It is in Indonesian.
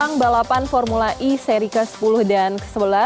jelang balapan formula e seri ke sepuluh dan ke sebelas